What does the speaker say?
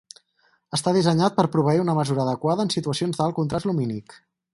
Està dissenyat per proveir una mesura adequada en situacions d'alt contrast lumínic.